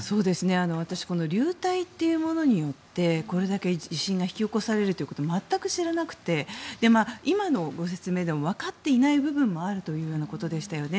私流体というものによってこれだけ地震が引き起こされるということを全く知らなくて今のご説明でもわかっていない部分もあるというようなことでしたよね。